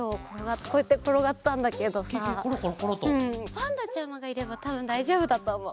パンダちゃまがいればたぶんだいじょうぶだとおもう。